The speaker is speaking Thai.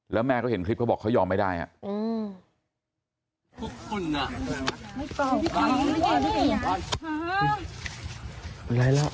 แล้วแม่ก็เห็นคลิปเขาบอกเขายอมไม่ได้อ่ะ